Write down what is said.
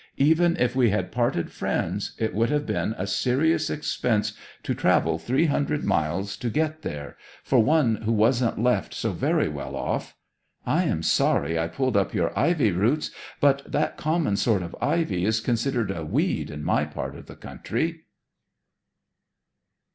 Even if we had parted friends it would have been a serious expense to travel three hundred miles to get there, for one who wasn't left so very well off ... I am sorry I pulled up your ivy roots; but that common sort of ivy is considered a weed in my part of the country.'